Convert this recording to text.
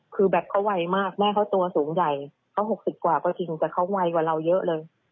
คือแบบเขาไวมากแม่เขาตัวสูงใหญ่เขา๖๐กว่าก็จริงแต่เขาไวกว่าเราเยอะเลย